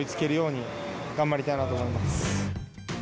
頑張りたいなと思います。